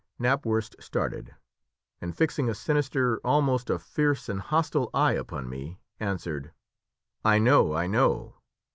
Knapwurst started, and fixing a sinister, almost a fierce and hostile eye upon me, answered "I know, I know!"